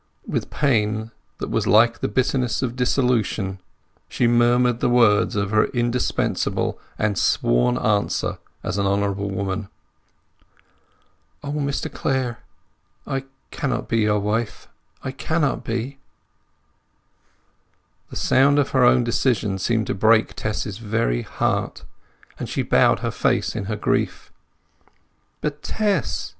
With pain that was like the bitterness of dissolution she murmured the words of her indispensable and sworn answer as an honourable woman. "O Mr Clare—I cannot be your wife—I cannot be!" The sound of her own decision seemed to break Tess's very heart, and she bowed her face in her grief. "But, Tess!"